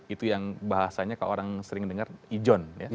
itu yang bahasanya kalau orang sering dengar ijon